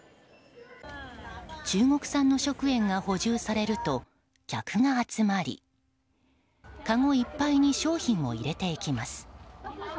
中国産の食塩が補充されると客が集まりかごいっぱいに商品を入れていきます。